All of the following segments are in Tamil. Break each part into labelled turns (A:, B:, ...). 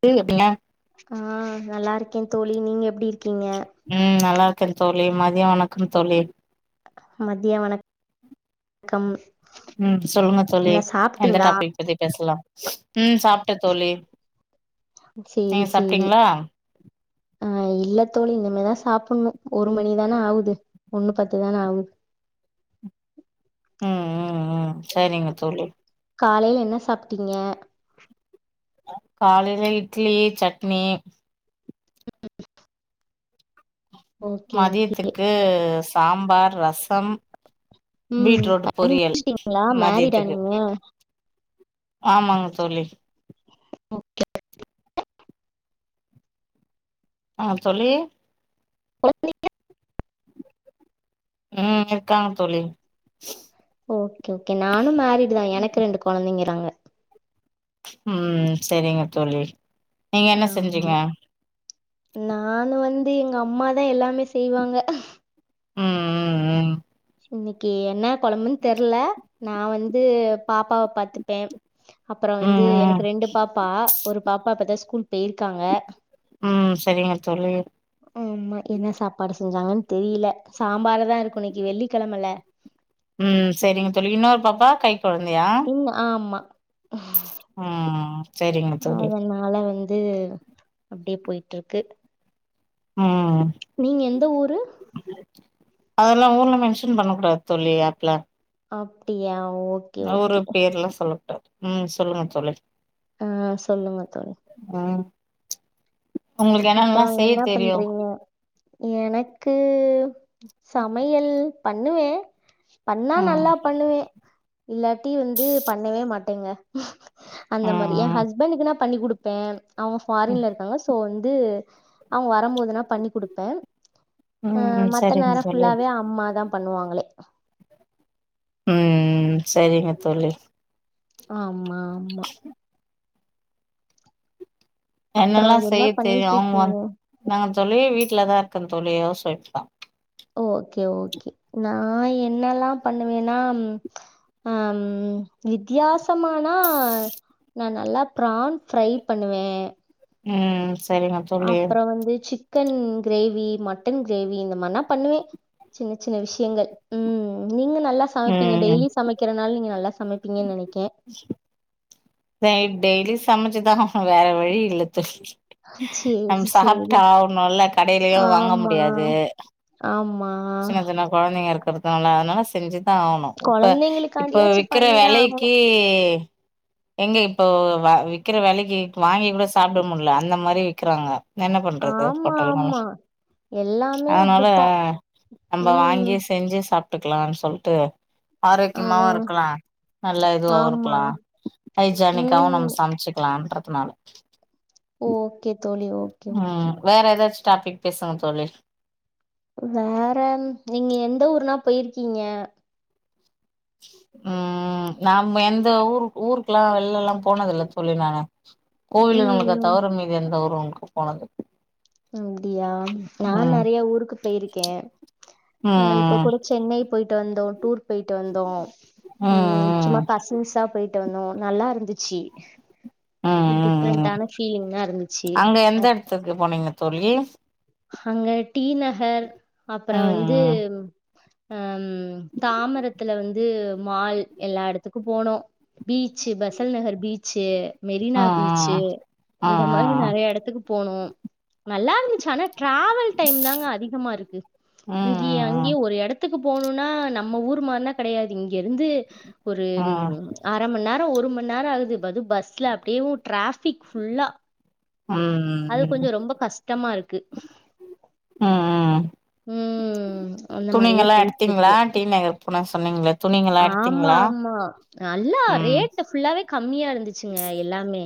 A: ப்ட்டின் கேப்பிங்க
B: ஆ நல்லா இருக்கே தோழி நீங்க எப்டி இருக்கீங்க
A: ம் நல்லா தோழி மதியம் வணக்கம் தோழி
B: மதிய வணக்கம்
A: ம் சொல்லுங்கதோழி
B: என்ன
A: எந்த
B: சாப்ட்டீங்களா
A: டாபிக் பத்தி பேசலாம் ம் சாப்ட்டேன் தோழி
B: சேரி
A: நீங்க
B: சேரி
A: சாப்ட்டீங்களா
B: ஆ இல்ல தோழி இன்னமேதான் சாப்புணும் ஒரு மணிதான் ஆவுது ஒன்னு பத்துதான ஆவு
A: ம் ம் ம் செரிங்க தோழி
B: காலையில என்ன சாப்டீங்க
A: காலைல இட்லி சட்னி
B: [unintelligible] ஓகே ஓகே
A: மதியத்துக்கு சாம்பார் ரசம்
B: ம்
A: பீட்ரூட் பொரியல்
B: [inaudible] ங்களா மேரிடா
A: மதியத்துக்கு
B: நீங்க
A: ஆமாங்க தொழி ஆ தொழி
B: [unintelligible]
A: ம் இருக்காங்க தோழி
B: ஓகே ஓகே நானும் மேரிடு தான் எனக்கு ரெண்டு கொழந்தைங்க இருக் காங்க
A: ம் செரிங்க தோழி நீங்க என்ன செஞ்சீங்க
B: நான்னு வந்து எங்க அம்மாதான் எல்லாமே செய்வாங்க
A: ம் ம் ம்
B: இன்னைக்கி என்ன கொழம்புன்னு தெர்ல நான் வந்து பாப்பாவ பாத்துப்பேன் அப்பறம்
A: ம்
B: வந்து
A: ம்
B: எனக்கு ரெண்டு பாப்பா ஒரு பாப்பா இப்பத்தான் ஸ்கூல் போய்ருக்காங்க
A: ம் ம் சரிங்க தோழி
B: ஆமா என்ன சாப்பாடு செஞ்சாங்கன்னு தெரில சாம்பார் தான் இருக்கும் இன்னைக்கி வெள்ளி கெழமல
A: ம் செரிங்க தோழி இன்னொரு பாப்பா கை கொழந்தையா
B: ம் ஆமா
A: ம் ம்
B: அதனால வந் து அப்டியே போய்ட்டுருக்கு
A: ம்
B: நீங்க எந்த ஊரு
A: அதல்லா ஊர்லா மென்ஷன் பண்ண கூடாது தோழி யார்ட்லா
B: அப்டியா ஓகே
A: ஊரு
B: ஓகே
A: பேர்ல சொல்ல உம் சொல்லுங்க தோழி
B: உம் சொல்லுங்க தோழி
A: ம் உங்களுக்கு
B: அப்றோ
A: என்னென்னல்லா செய்ய
B: என்ன
A: தெரியு
B: பண்றீங்க எனக் க்கு சமையல் பண்ணுவே பண்ணா
A: ம்
B: நல்லா பண்ணுவே இல்லாட்டி வந்து பண்ணவே மாட்டே ங்க அந்த மாரி எ
A: ம்
B: ஹஸ்பண்டக்குனா பண்ணி குடுப்பே அவுங்க
A: ம்
B: ஃபாரின்ல இருக்காங்க சோ வந்து வந்து அவுங்க வரம்போதுனா பண்ணி குடுப்பே ஆ
A: ம் ம்
B: மத்த
A: சரிங்க
B: நேரோ
A: தோழி
B: ஃபுல்லாவே அம்மாதா பண்ணுவாங்க மளே
A: உம் உம் சரிங்க தோழி
B: ஆமா ஆமா அப்றோ
A: என்னல்லா
B: என்ன
A: செய்ய தெரியு அவுங்க
B: பண்ணிட்ருக்கீங்க
A: நாங்க தோழி வீட்லதா இருக்கே தோழி யோச சரிப்பா
B: ஓகே ஓகே நா என்னல்லா பண்ணுவேனா ம் வித்தியாசமானா நா நல்லா பிரான் ஃப்ரை பண்ணுவே
A: ம் சரிங்க தோழி
B: அப்ற வந்து சி சிக்கன் கிரேவி மட்டன் கிரேவி இந்த மாதிர நா பண்ணுவே சின்ன சின்ன விஷயங்கள் உம் நீங்க நல்லா சமைப்பீங்க
A: ம்
B: டெய்லி சமைக்கிறனால நீங்க நல்லா சமைப்பீங்கன் நெனக் கே
A: நைட் டெய்லி சமச்சுதாங்க ஆகனு வேற வழி இல்ல தோழி. நம்
B: சேரி சேரி
A: சாப்டா ஒரு நல்ல கடயிலையு வாங்க
B: ஆமா
A: முடியாது.
B: ஆமா
A: சின்ன சின்ன கொழந்தைங்க இருக்கு இர்காங்களா அதனால செஞ்சு தா ஆவனு இப்ப இப்ப
B: கொழந்தைங்களுக்காண்டியாச்சு
A: விக்கிற
B: பண்ணிதா ஆகணு
A: வெலைக்கி எங்க இப்போ வி்க்கிற வெலைக்கு வாங்கி கூட சாப்பிட முடில அந்த மாரி விக்கிறாங்க என்ன பண்றது
B: ஆமா
A: ஹோட்டல்கள்லா
B: ஆமா எல்லாமே
A: அதனால
B: அப்டித்தா
A: நம்ம
B: ம்
A: வாங்கி செஞ்சு சாப்பிட்டுக்கலாம்னு சொல்ட்டு ஆரோக்கியமாவு
B: அதா
A: இருக்கலா நல்லா இதுவாவு
B: ஆமா
A: இருக்கலா ஹைஜானிக்காவு
B: ம்
A: நம்ம சமைச்சக்கலா னாலு
B: ஓகே தோழி ஓகே ஓகே
A: ம் வேற எதாச்சு டாபிக் பேசுங்க தோழி
B: வேற நீங்க எந்த ஊர்னா போயிருக்கீங்க
A: ம் நாம எந்த ஊரு ஊருக்கெல்லா வெள்ளலா போனது இல்ல தோழி நானு
B: ம்
A: கோவிலுங்களுக்கு
B: ம்
A: தவுற மீதி எந்த ஊரு ஓ கு போனகு
B: அப்டியா நா நெறய ஊருக்கு போயிருக்கே இப்ப
A: ம்
B: கூட சென்னை போயிட்டு வந்தோ டூர் போயிட்டு வந்தோ ம் சும்மா கசின்ஸா போயிட்டு வந்தோ நல்லா இருந்துச்சி
A: ம் ம் ம்
B: டிஃப்ரெண்டான ஃபீலிங்லா இருந்துச்சி
A: அங்க எந்த எடத்துக்கு போனீங்க தோழி
B: அங்க டி நகர் அப்புற வந்து
A: ம் ம்
B: அ தாமரத்துல வந்து மால் எல்லா எடத்துக்கு போனோ பீச்சி பெசன்னகர் பீச்சி
A: ம் ம்
B: மெரினா பீச்சி
A: ஆ ஆ ஆ
B: இந்த மாரி நெறய எடத்துக்கு போனோ நல்லா இருந்துசி ஆனா டிராவல் டைம் தாங்க அதிகமா இருக்கு
A: ம்
B: இங்யே
A: ம்
B: அங்கயே ஒரு எடத்துக்கு கு போணும்னா நம்ம ஊர் மாரிலா கெடையாது இங்க இருந்து ஒரு
A: ம்
B: அர மணி நேரோ ஒரு மணி நேரோ ஆகுதுப்பது பஸ்ல அப்டியே டிராபிக் ஃபுல்லா
A: ம் ம்
B: அது கொஞ்சொ ரொம்ப கஷ்டமா இரு க்கு
A: அ அ அ
B: அந்த மாரியே
A: துணிங்களா எடுத்திங்ளா டீ நகர் பொனு சொன்னீங்கலே
B: ஆமாமா நல்லா
A: ம்
B: ரேட்டு் ஃபுல்லாவே கம்மியா இரு ந்துச்சிங்க எல்லாமே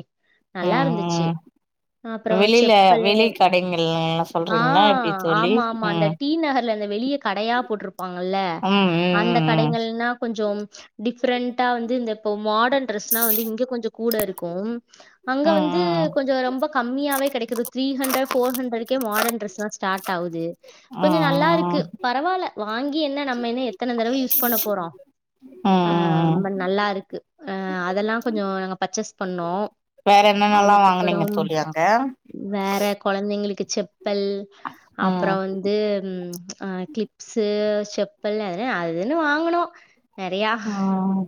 A: ம்
B: நல்லாருந்துச்சி
A: ம்
B: அப்றோ
A: வெளில
B: செப்பல்
A: வெளி கடைங்கள்லா
B: ஆ
A: சொல்றீங்களா எப்டி தோழி
B: ஆமா ஆமா
A: ம்
B: அந்த டி நகர்ல இந்த வெளிய கடயா போட் ருப்பாங்கல்ல
A: ம்
B: அந்த
A: ம்
B: கடைங்கள்னா கொஞ்சொம் டிஃப் ரெண்ட்டா வந்து இந்த இப்பொ மா டர்ன் ட்ரெஸ்னா வந்து இங்க கொஞ்சொ கூடருக்கும் அங்க
A: ம் ம்
B: வந்து
A: ம்
B: கொஞ்ச ரொம்ப கம்மியாவே கெடைக்குது த்ரீ ஹண்ட்ர ஃபோர்ஹண்ரடு க்கே மாடர்ன் ட்ரெஸ் லா ஸ்டார்ட் ஆவுது கொஞ்சொ நல்லாருக்கு
A: ம் ம்
B: பரவால்ல வாங்கி என்ன நம்ம என்ன எத்தன தடவ யூஸ் பண்ண போறோ ஆ
A: ம்
B: [unintelligible] நல்லாருக்கு அ அதெல்லா‌ கொஞ்சொ நாங்க பர்சஸ் பண்ணோ
A: வேற என்னென்னலா வாங்குனிங்க
B: அதுக்கப்புறம்
A: தோழி அங்க?
B: செப் பல் அப்ற
A: ம்
B: வந்து ஆ கிளிப்ஸு செப்பல் என அது இதுனு வாங்குனோ நெறயா
A: ம்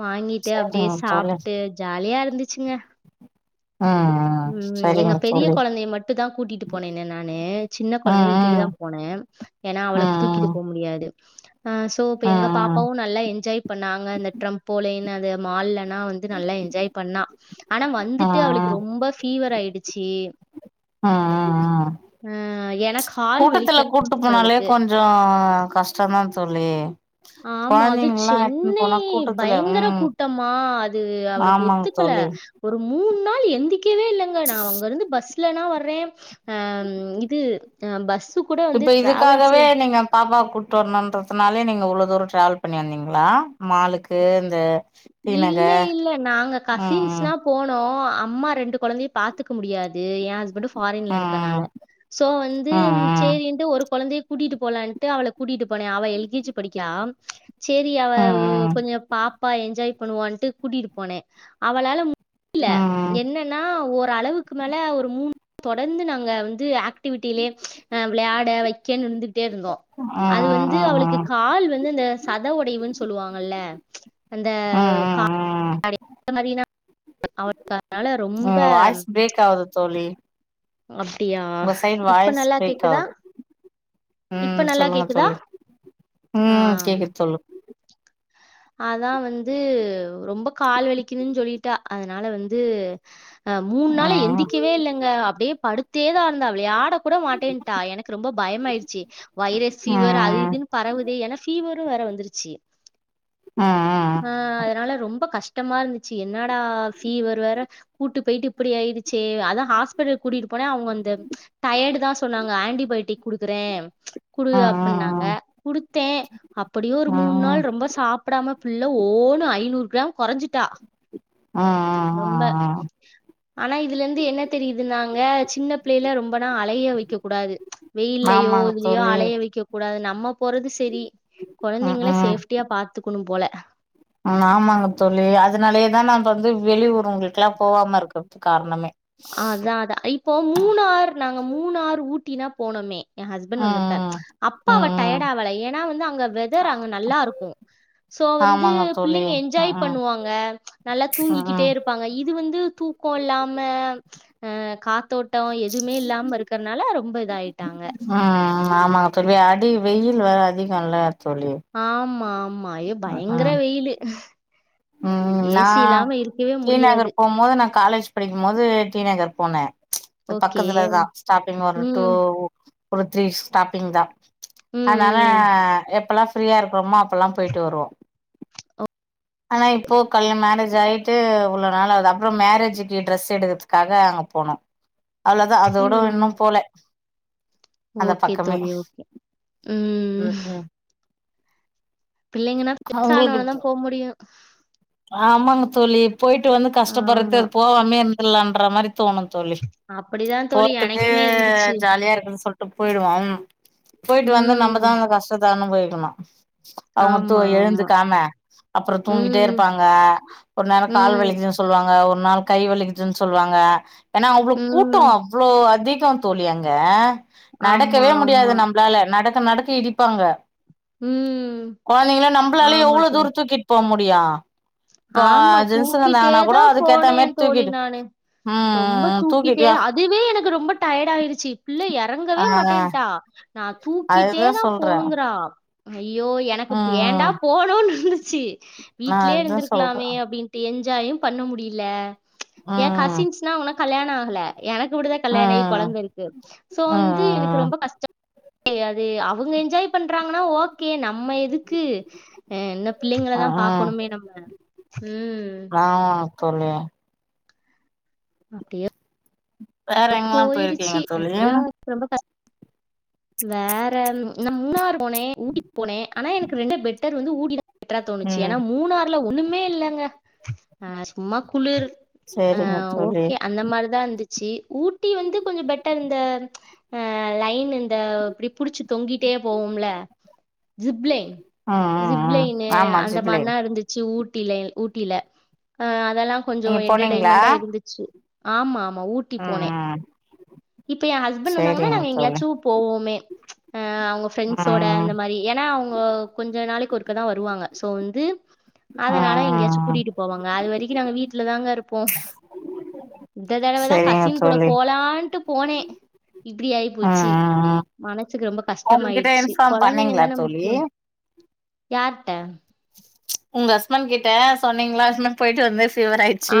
B: வாங்கிட்டு அப்டியே
A: சரிங்க தோழி
B: சாப்ட்டு ஜாலியா இருந்துச் சுங்க
A: ம் ம்
B: ம் எங்க
A: சரிங்க
B: பெரிய
A: தோழி
B: கொழந்தய மட்டு தா கூட்டிட்டு போனேன்னு நானு சின்ன
A: ம்
B: கொழந்தய விட்டுட்டு
A: ம்
B: தா போனே ஏனா
A: ம்
B: அவள தூக்கிட்டு
A: ம்
B: போ முடியாது ஆ சோ இப்ப
A: ம்
B: எங்க
A: ம்
B: பாப்பாவு நல்லா என்ஜாய் பண்ணாங்க அந்த ட்ரம்போலைனு அ ந்த மால்லனா வந்து நல்லா என்ஜாய் பண்ணா ஆனா
A: ம்
B: வந்துட்டு அவளுக்கு ரொம்ப ஃபீவர் ஆயிடுச்சு
A: ஆ ஆ ஆ
B: ஆ எனக்
A: கூட்டத்துல கூட்டு போனாலே கொஞ்சொ கஷ்டோதா தோழ் லே
B: ஆமா அது சென்னை
A: கூட்டத்துல
B: பையங்கர
A: ம்
B: கூட்டமா அது அவளுக்
A: ஆமாங்க
B: ஒத்துக்கல
A: தோழி
B: ஒரு மூண் நாள் எந்திக் எந்திக்கவே இல்லங்க நா அங்க இருந்து பஸ் இல்லனா வர்றே அ இது பஸ்
A: இப்ப இதுக்காகவே நீங்க பாப்பா கூட்டு வரணுன்றதுனாலே நீங்க இவ்வளோ தூரோ டிராவல் பண்ணி வந்திங்களா மாளுக்கு இந்த தி
B: இல்ல
A: நகர்
B: இல்ல நாங்க
A: ம்
B: கசின்ஸ்லா போனோ அப் அம்மா ரெண்டு கொழந்தையு பாத்துக்க முடியாது ஏ ஹஸ்பன்டுஃபாரின்ல
A: ம்
B: இருக்கனால சோ வந்து
A: ம்
B: செரிட்டு ஒரு குழந்தைய கூட்டிட்டு போலான்ட்டு அவள கூட்டிட்டு போனே அவ எல் கே ஜி படிக்கா செரி அவ
A: ம் ம்
B: கொஞ்சொ பா பய்ஸ் என்ஜாய் பண்ணுவான்ட்டு கூட்டிட்டு போனே அவளால இல்ல
A: ம்
B: என்னன்னா ஒ ஒரு அளவுக்கு மேல ஒரு மூணு தொடர்ந்து நாங்க வந்து ஆக் ஆக்டிவிட்டிலே அ விளா த வைக்கே வந்து இருந்தோ அது
A: ம்
B: வந்து அவளுக்கு
A: ம்
B: கால் வந்து இந்த சத உடைவுன்னு சொல்லுவாங்கல்ல
A: ம் ம் ம் ம்
B: எந்தமரினா அவளு
A: ம் வாய்சு ப்ரேக் ஆகுது தோழி
B: அப்டியா
A: உங்க சைடு
B: இப்ப
A: வாய்ஸ்
B: நல்லா
A: பிரேக்
B: கேக்குதா?
A: ஆகுது
B: இப்ப
A: ம்
B: நல்லா
A: சொல்லுங்க
B: கேக்குதா?
A: தோழி ம் கேக்குது தோழி
B: அதா வந்து ரொம்ப கால் வலிக்குன் சொல்லி ட்டா அதனால வந்து அ மூண் நாள்
A: ம்
B: எந்திக்கவே இல்லங்க அப்டியே படுத்தே தா இந்தா விளயாட கூட மாட்டேன்ட்டா எனக்கு ரொம்ப பயம் ஆயிருச்சு வைரஸ் பீவர் அது
A: ம்
B: இதுன்னு பரவுது என ஃபீவர் இது வேற வந்துருச்சு
A: ம் ம்
B: ஆ அதனால ரொம்ப கஷ் ட்டமா இருந்துச்சு என்னடா ஃபீவர் வேற கூட்டு போயிட்டு இப்டி ஆயிடுச்சே அதா ஹாஸ்பிடல் கூட்டிட்டு போனே அவுங்க அந்த டயர்டு தா சொன்னாங்க அந்த ஆன்டிபயோட்டிக் குடுக்குறே ச் குடு
A: ம்
B: அப்டினாங்க
A: ம்
B: குடுத்தே அப்டியு ஒரு
A: ம் ம்
B: மூண் நாள்
A: ம்
B: ரொம்ப சாப்பிடாம புள்ள ஓணு ஐநூறு கிராம் கொறஞ்சிட்டா ரொம்ப
A: ம்
B: ஆனா இதுல இந்து என்ன தெரியுது இருந்தாங்க சின்ன பிள்ளைல ரொம்ப நா அலைய வக்க கூடாது வெயில்லயோ
A: ஆமாங்க
B: இதுலயோ
A: தோழி
B: அலைய வைக்கக் கூடாது நம்ம அம்மா போறெது செரி
A: ம்
B: கொழந்தைங்கள
A: ம்
B: சேஃப்டியா பாத்து போ குணு போல
A: ஆமாங்க தோழி அதனாலயேதா நா வந்து வெளியூர் உங்களுக்கெல்லா போவாம இருக்கு காரணமே
B: அதா அதா இப்போ மூணாறு நாங்க மூணாறு ஊத் தின போனமே எ ஹஸ்பண்ட்
A: ம்
B: வந்தப்ப
A: ம்
B: அப்ப அவ
A: ம் ம்
B: டயர்ட் ஆவல ஏன்னா வந்து அங்க வெதர் அங்க நல்லா இருக்கு ஸோ வந்து
A: ஆமாங்க தோழி
B: பிள்ளைங்க
A: ம்
B: என்ஜாய்
A: ம்
B: பண்ணுவாங்க நல்லா
A: ம்
B: தூங்கிக்கிட்டே
A: ம்
B: இருப்பாங்க இது வந்து தூக்க இல்லாம அ காத்தோட் ட்டோ எதுமே இல்லாம இருக்கறனால ரொம்ப இதாயி
A: ம் ம் ஆமாங்க தோழி அடி வெய்யில் வேர அதிக இல்ல
B: ஆம் மாம் மயோ பைங்கர
A: ம்
B: வெயிலு
A: ம் நா டீ நகர்
B: முடியாது
A: போ மோது நா காலேஜ் படிக்கும்போது டீ நகர் போனே ச்
B: ஓகே
A: பக்கத்துலதா ஸ்டாப்பிங்க ஒரு டூ
B: ம்
A: ஒரு த்ரீ ஸ்டாப்பிங் தா ச் அதனால
B: ம்
A: எப்பெலா ஃப்ரீயா இருக்கோமா அப்பெல்லா போயிட்டு வருவோ ஆனா இப்போ கல்ல மேரேஜ் ஆயிட்டு இவ்வளவு நாள் ஆகுது அப்பறம் மேரேஜிக்கு ட்ரெஸ் எடுக்கறதுக்காக அங்க போனோ அவ்வளதா அதோட
B: ம்
A: இன்னு போல அந்த
B: ஓகே
A: பக்கமே
B: தோழி ஓகே ம் பிள்ளைங்கனா பெருசா ஆனவனோ தா போ முடியு சு
A: ஆமங்க தோழி போயிட்டு வந்து கஷ்டப்பறதுக்
B: ஆமா.
A: அது போவாமே இருந் இல்ல என்ற மாரி தோணு தோழி
B: அப்படிதான் தோழி
A: போறதுக்கு
B: எனக்குமே இருந்துச்சு.
A: ஜாலியா இருக்கு சொல்ட்டு போயிருவோ போயிட்டு வந்து
B: ம்.
A: நம்மதா அந்த கஷ்டத்தா அனுபவி ஆமா அவுங்க தூ
B: ஆமா, ஆமா.
A: எழுந்துக்காம அப்பறம் தூங்கிட்டே
B: ம்,
A: இருப் ப்பாங்க ஒரு நேர கால்
B: ம்,
A: வலிக்குதுன் சொல்லுவாங்க ஒரு ஒரு நாள் கை வலிக்குதுன்னு சொல்லுவாங்க ஏனா அவ்வளவு கூட்ட
B: ம்.
A: அவ்ளோ அதி [unintelligible] தோழி அங்க
B: ஆமா,
A: நடக்கவே முடியாது
B: ஆமா.
A: நம்மளால நடக் நடக்க இடிப்பாங்க
B: ம்.
A: கொழந்தைங்கள நம்மளாலே
B: ஆமா
A: எவ்வளவு தூர
B: தோழி.
A: தூக்கிட்டு போ முடி அப்டியா
B: ஆமா தூக்கிட்டே
A: கூட
B: தா
A: அதுக்கேத்த
B: போனே
A: மாரி
B: என் தோழி
A: தூக்கிட்டு
B: நானு
A: ம் ம்
B: ரொம்ப
A: ம்
B: தூக்கிட்டே
A: தூக்கிட்டியா
B: அதுவே எனக்கு ரொம்ப டயர்டா ஆயிருச்சு இல்லய
A: ஆ
B: எறங்கவே மாட்டேன்ட்டா நா தூக்கிட்டே
A: அதுதா
B: தா
A: சொல்றே
B: போனுங்கிறா ஐயோ
A: ம்
B: எனக்கு ஏன்டா
A: ம்
B: போனொன் இருந்து ச்சு
A: நா
B: வீட்லயே
A: அதுதா
B: இருந்திருக்
A: சொல்றே
B: லாமே அப்டின்ட்டு எஞ்சாயு பண்ண முடியில ஏ
A: ம்
B: கசின்ஸ்னா அவுங்கனா கல்யாண ஆ கல எனக்கு மட்டு தா
A: ம்
B: கல்யாண ஆயி
A: ம்
B: கொழந்த இருக்கு சோ வந்து எனக்கு
A: ம்
B: ரொம்ப கஷ்ட கஷ்ட செரி அது அவுங்க என்ஜாய் பண்றாங்கனா ஓகே நம்ம எதுக்கு என்ன பிள்ளைங்கள
A: ம்
B: தா
A: ம் ம்
B: பாக்கனுமே நம்ம ம்
A: அ தோழி
B: அப்டியா
A: உம்
B: போயிருச்சு [unintelligible] ரொம்ப கஷ் வேற எங்க முன்னாரு போனே ஊட்டிக் போனே ஆனா எனக்கு ரெண்டு பெட்டர் வந்து ஊட்டிதா பெட்டரா தோணுச்சு
A: ம்
B: ஏனா மூணார்ல ஒன்னு மே இல்லங்க ஆ சும்மா குளிர் ஆ
A: சேரிங்க தோழி
B: ஓகே அந்த மாரிதா இருந்து ச்சி ஊட்டி வந்து கொஞ்சொ பெட்டர் இந்த அ லைன் இந்த இப்டி புடிச்சி தொங்கிட்டே போவோம்ல ஜிப்லைன்
A: ம் ம் ம்
B: ஜிப்லைனு
A: ஆமா
B: அந்த
A: ஜிப்லைன்
B: மார்லா இருந்துச்சு ஊட் டில ஊட்டில ஆ அ தல்லா கொஞ்சோ
A: நீங்க போனீங்களா
B: என்டர்டைன்மெண்டா இருந்துச்சு ஆமாமா ஊ ட்டி
A: ம்
B: போனே
A: ம்
B: இப்ப எ ஹஸ்பண்ட் வந்தாங்கனா
A: சேரிங்க
B: நாங்க
A: தோழி
B: எங்யாச்சு போவோமே ஆ அவுங்க ஃப்ரெண்ட்ஸோட
A: ம்
B: அந்த மாரி ஏனா அவுங்க கொஞ்ச நாளைக்கு ஒரு க்க தா வருவாங்க சோ வந்து அதனால எங்கயாச்சு
A: ம்
B: கூட்டிட்டு போவாங்க அது வரைக்கு நாங்க வீட்ல தாங்க இருப்போ இந்த தடவ தா க
A: சேரிங்க
B: கூட
A: தோழி
B: போலா ன்ட்டு போனே இப்டி ஆய்
A: ம்
B: போச்சு
A: ம் ம்
B: மனசுக்கு ரொம்ப
A: உங்ககிட்ட
B: கஷ்டமாயிட்ச்சி
A: இன்ஃபார்ம்
B: கொழந்தைங்க
A: பண்ணீங்களா
B: தான
A: தோழி
B: முக்கியொ யார்ட?
A: உங்க ஹஸ்பண்ட் கிட்ட சொன்னீங்ளா இதுமா போயிட்டு வந்தே
B: ஆ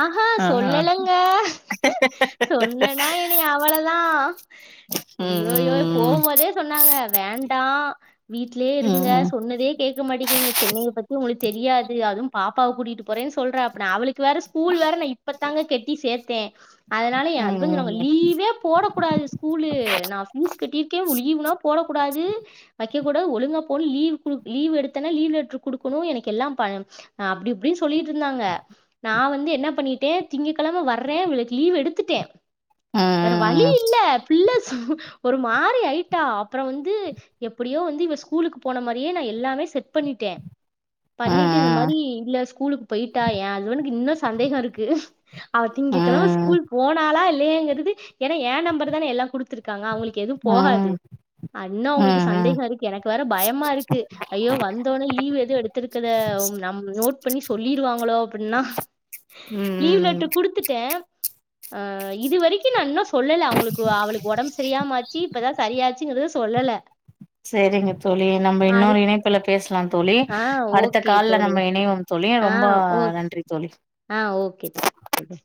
B: ஆஹா
A: ஆ
B: சொல்லலங்க சொன்னேனா என்னய அவளதா
A: ம்
B: ஐயோயோ
A: ம்
B: போவும்மோதே சொன்னாங்க வேண்டா வீட்லயே இருங்க
A: ம்
B: சொன்னதே கேக்க மாட்டேக்கீங்க சென்னைய பத்தி உங்ளுக் தெரியாது அது பாப்பாவ கூட்டிட்டு போறேன் சொல்ற அப்பனா அவளு க்கு வேற ஸ்கூல் வேற நா இப்பத்தாங்க கெட்டி சேத்தே அதுனால எ
A: ம்
B: ஹஸ்பண்ட் சொனாங்க
A: ம்
B: லீவே போடக்கூடாது ஸ்கூலு நா ஃபீஸ் கட்டிர்க்கே லீவுலா போடக்கூடாது வ க்க கூடாது ஒழுங்கா போ லீவ் குடு லீவ் எடுத்தன லீவ் லெட்ரு குடுக்குனு எனக்கு எல்லா ப அப்டி இ சொல்லிட்ருந்தாங்க நா வந் து என்ன பண்ணிட்டே திங்ககழம வர்றே இவளுக்கு லீவ் எடுத்துட்டே
A: ம்
B: வேற வழி
A: ம்
B: இல்ல பிள்ள ஒரு மாரி ஆய்ட்டா அப்ற வந்து எப்புடியோ வந்து இவ ஸ்கூலுக்கு போன மாரியே நா எல்லாமே செட் பண்ணிட்டே பண்ணிட்டு இந்த
A: ம்
B: மாரி இல்ல ஸ் கூலுக்கு போயிட்டா எ ஹஸ்பண்டுக்கு இன்னு சந்தேக இருக்கு அவ
A: ம்
B: திங்க கெழம
A: ம் ம்
B: ஸ்கூல் போனாலா இல் லயாங்குறது எனா ஏ நம்பர் தானே எல்லா குடுத்துற்காங்க அவுங்கள் கெது
A: ம்
B: போகாது
A: ம்
B: அன்ன அவுங்ளுக்கு
A: ம் ம்
B: சந்தேக இருகு எனக்கு வேற பயமா இருக்கு ஐயோ வந்தோனே லீவ் எது எடுத்துருக்குற நம் நோட் பண்ணி சொல்லிருவாங்களோ அப்புன்னா
A: ம்
B: லீவ்
A: ம்
B: லெட்டர் குடுத்துட்டே ஆ இது வரைக்கு நா இன்னு சொல்லல அவுங்ளுக்கு அவளுக்கு ஒடம்பு சரியாம ஆச்சி இப்பதா சரியாச்சிங்குறத சொல்லல
A: செரிங்க தோழி நம்ம
B: அது
A: இன்னொரு இணனப்புல பேசலா தோழி
B: ஆ
A: அடுத்த
B: ஓகே
A: கால்ல
B: தோழி.
A: நம்ம இணைவொம் தோழி
B: ஆ
A: ரொம்ப
B: ஓ
A: நன்றி தோழி
B: ஆ ஓகே தோழி ஓகே தோழி